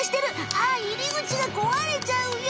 あいりぐちがこわれちゃうよ！